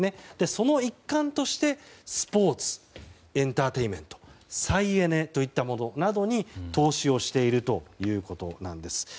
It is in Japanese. その一環としてスポーツエンターテインメント再エネといったものなどに投資をしているということです。